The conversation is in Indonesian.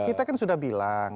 kita kan sudah bilang